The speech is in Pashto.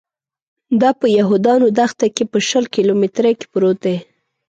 دا په یهودانو دښته کې په شل کیلومترۍ کې پروت دی.